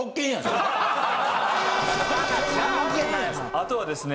あとはですね